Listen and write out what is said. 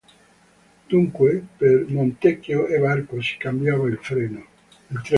Dunque, per Montecchio a Barco si cambiava il treno.